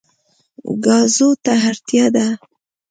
ګازو ته اړتیا ده.